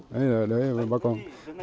đấy là đấy bà con